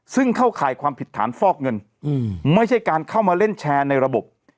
ซึ่งเข้าข่ายความผิดฐานฟอกเงินไม่ใช่การเข้ามาเล่นแชร์ในระบบ